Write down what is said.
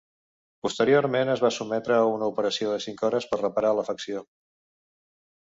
Posteriorment, es va sotmetre a una operació de cinc hores per reparar l'afecció.